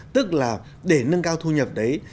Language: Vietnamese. tức là để nâng cao thu nhập đấy